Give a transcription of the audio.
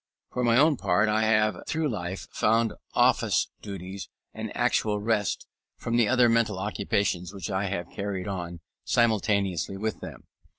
For my own part I have, through life, found office duties an actual rest from the other mental occupations which I have carried on simultaneously with them.